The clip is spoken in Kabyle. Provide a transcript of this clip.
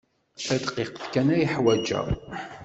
Tadqiqt kan ay ḥwajeɣ.